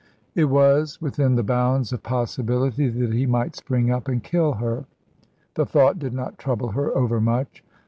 It was within the bounds of possibility that he might spring up and kill her. The thought did not trouble her overmuch.